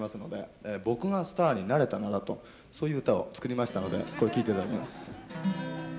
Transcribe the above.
「僕がスターになれたなら」とそういう歌を作りましたのでこれ聴いていただきます。